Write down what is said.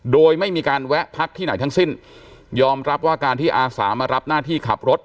โดยไม่มีการแวะพักที่ไหนทั้งสิ้นยอมรับว่าการที่อาสามารับหน้าที่ขับรถ